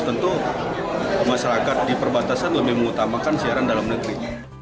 tentu masyarakat di perbatasan lebih mengutamakan siaran dalam negeri